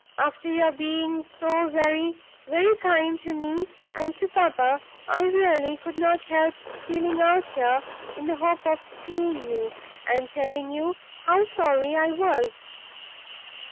After your being so very, very kind to me (and to papa), I really could not help stealing out here in the hope of seeing you, and telling you how sorry I was.